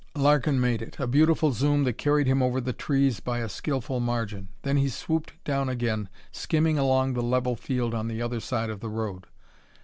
Larkin made it, a beautiful zoom that carried him over the trees by a skillful margin. Then he swooped down again, skimming along the level field on the other side of the road.